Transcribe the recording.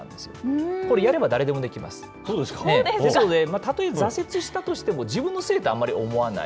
たとえ挫折したとしても、自分のせいとあんまり思わない。